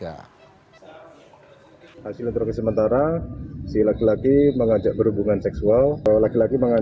as mengaku emosi karena korban mengancam akan menyebar video asusila mereka